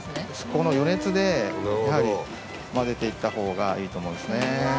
この余熱で混ぜていったほうがいいと思うんですね。